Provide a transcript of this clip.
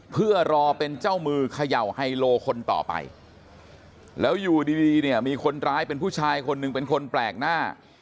เพื่อรอเป็นเจ้ามือเขย่าไฮโลคนต่อไปแล้วอยู่ดีดีเนี่ยมีคนร้ายเป็นผู้ชายคนหนึ่งเป็นคนแปลกหน้า